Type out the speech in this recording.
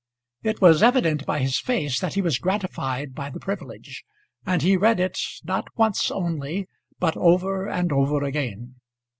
It was evident, by his face, that he was gratified by the privilege; and he read it, not once only, but over and over again.